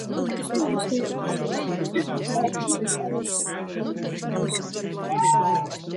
Mēs nedrīkstam masveidā iznīcināt šos veselīgos skumbrijas krājumus.